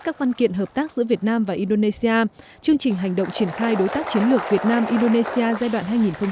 các văn kiện hợp tác giữa việt nam và indonesia chương trình hành động triển khai đối tác chiến lược việt nam indonesia giai đoạn hai nghìn một mươi chín hai nghìn ba mươi